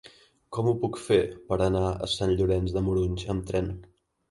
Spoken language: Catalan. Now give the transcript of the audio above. Com ho puc fer per anar a Sant Llorenç de Morunys amb tren?